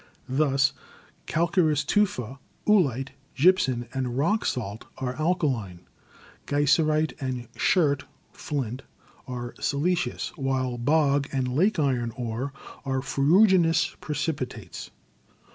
Thus calcareous tufa, oolite, gypsum and rock salt are alkaline, Geyserite and chert (flint) are siliceous, while bog and lake iron ore are ferruginous precipitates.